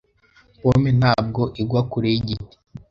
Pome ntabwo igwa kure yigiti.